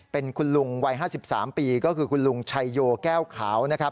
เป็นคุณลุงวัย๕๓ปีก็คือคุณลุงชัยโยแก้วขาวนะครับ